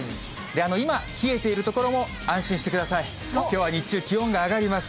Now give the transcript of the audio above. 今、冷えている所も安心してください、きょうは日中、気温が上がります。